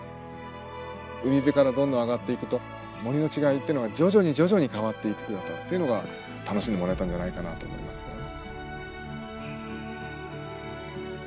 海辺からどんどん上がっていくと森の違いっていうのが徐々に徐々に変わっていく姿っていうのが楽しんでもらえたんじゃないかなと思いますね。